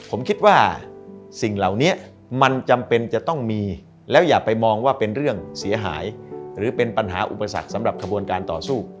ผมคิดว่าสิ่งเหล่านี้มันจำเป็นจะต้องมีแล้วอย่าไปมองว่าเป็นเรื่องเสียหายหรือเป็นปัญหาอุปสรรคสำหรับขบวนการต่อสู้